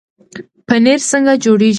پنیر څنګه جوړیږي؟